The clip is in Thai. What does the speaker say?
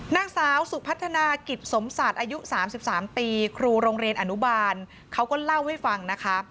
นางสาวสุพัฒนากิจสมศาสตร์อายุ๓๓ปีครูโรงเรียนอนุบาลเขาก็เล่าให้ฟังนะคะ